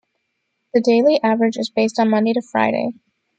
The daily average is based on Monday-Friday.